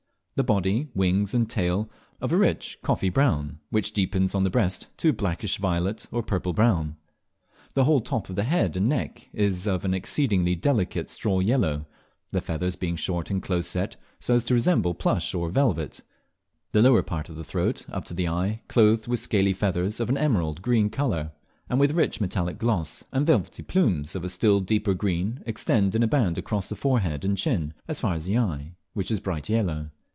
The body, wings, and tail are of a rich coffee brown, which deepens on the breast to a blackish violet or purple brown. The whole top of the head and neck is of an exceedingly delicate straw yellow, the feathers being short and close set, so as to resemble plush or velvet; the lower part of the throat up to the eye clothed with scaly feathers of an emerald, green colour, and with a rich metallic gloss, and velvety plumes of a still deeper green extend in a band across the forehead and chin as far as the eye, which is bright yellow.